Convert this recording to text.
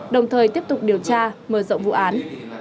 đồng thời tiếp tục điều tra mở rộng vụ án